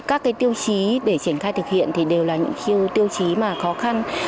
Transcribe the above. các cái tiêu chí để triển khai thực hiện thì đều là những tiêu chí mà khó khăn